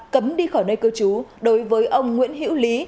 cấm đi khỏi nơi cơ chú đối với ông nguyễn hiễu lý